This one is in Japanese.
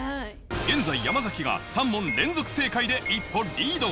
現在山が３問連続正解で一歩リード